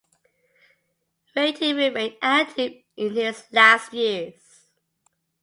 Rietti remained active in his last years.